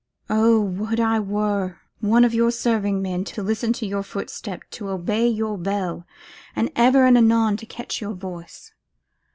Oh! would I were one of your serving men, to listen to your footstep, to obey your bell, and ever and anon to catch your voice!